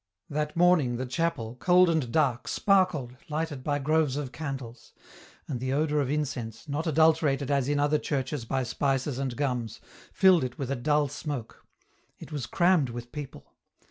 That morning the chapel, cold and dark, sparkled, lighted by groves of candles ; and the odour of incense, not adulterated as in other churches by spices and gums, filled it with a dull smoke ; it was crammed with people.